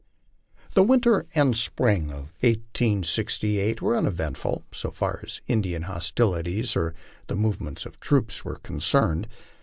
The winter and spring of 1868 were uneventful, so far as Indian hostilities or the movements of troops were concerned.